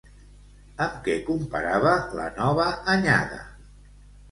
Amb què comparava la nova anyada?